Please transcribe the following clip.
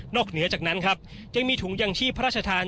เหนือจากนั้นครับยังมีถุงยางชีพพระราชทาน